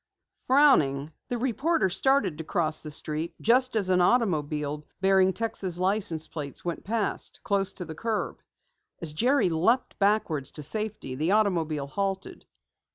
Frowning, the reporter started to cross the street just as an automobile bearing Texas license plates went past, close to the curb. As Jerry leaped backwards to safety, the automobile halted.